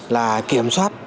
là kiểm soát